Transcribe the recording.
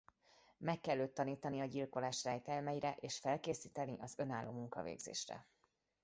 Meg kell őt tanítani a gyilkolás rejtelmeire és felkészíteni az önálló munkavégzésre.